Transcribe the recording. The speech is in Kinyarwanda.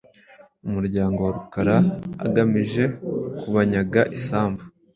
umuryango wa Rukara, agamije kubanyaga isambu